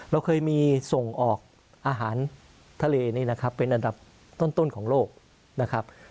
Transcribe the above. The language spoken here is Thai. เราเคยมีส่งออกอาหารทะเลนี่นะครับเป็นอันดับต้นของโลกนะครับ